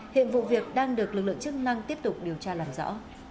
hiện vụ việc đang được lực lượng chức năng tiếp tục điều tra làm rõ